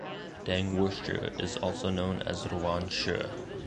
Deng wuxie is also known as Ruan Xie.